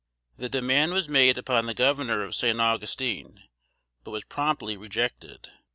The demand was made upon the Governor of St. Augustine, but was promptly rejected.